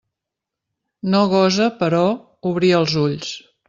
No gosa, però, obrir els ulls.